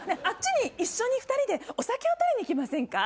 あっちに一緒に２人でお酒を取りに行きません？